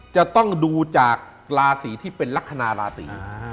จะต้องดูจากราศีที่เป็นลักษณะราศี